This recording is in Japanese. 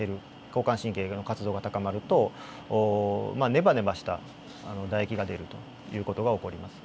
交感神経の活動が高まるとネバネバしただ液が出るという事が起こります。